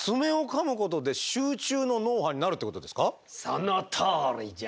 そのとおりじゃ。